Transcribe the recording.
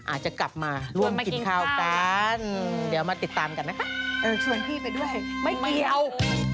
อาจจะกลับมาร่วมกินข้าวกันเดี๋ยวมาติดตามกันนะคะชวนพี่ไปด้วยไม่เกี่ยว